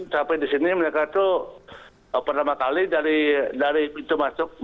sampai di sini mereka itu pertama kali dari pintu masuk